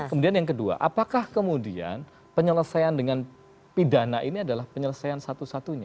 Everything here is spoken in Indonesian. kemudian yang kedua apakah kemudian penyelesaian dengan pidana ini adalah penyelesaian satu satunya